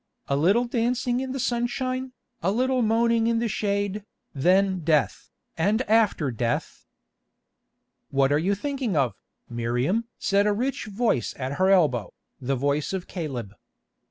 A little dancing in the sunshine, a little moaning in the shade, then death, and after death—— "What are you thinking of, Miriam?" said a rich voice at her elbow, the voice of Caleb.